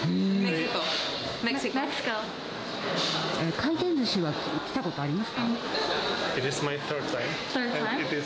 回転ずしは来たことありますか？